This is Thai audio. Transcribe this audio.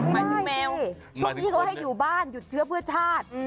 หมายถึงแมวช่วงนี้เขาให้อยู่บ้านหยุดเชื้อเพื่อชาติ